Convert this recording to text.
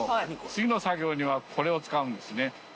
次の作業にはこれを使うんですね。